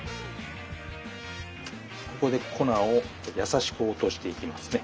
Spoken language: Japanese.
ここで粉をやさしく落としていきますね。